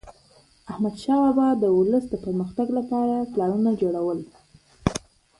احمدشاه بابا به د ولس د پرمختګ لپاره پلانونه جوړول.